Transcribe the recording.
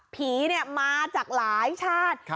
ผีเนี่ยมาจากหลายชาติ